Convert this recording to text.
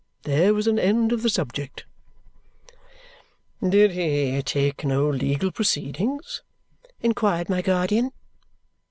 There was an end of the subject." "Did he take no legal proceedings?" inquired my guardian.